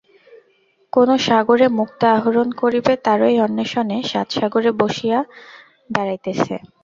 কোন সাগরে মুক্তা আহরণ করিবে তারই আম্বেষণে সাতসাগরে বাসিয়া বেড়াইতেছে?